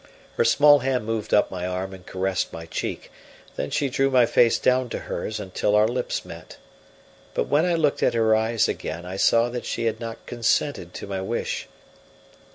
Her small hand moved up my arm and caressed my cheek; then she drew my face down to hers until our lips met. But when I looked at her eyes again, I saw that she had not consented to my wish.